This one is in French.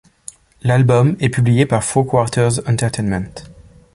L'album est publié par Four Quarters Entertainment.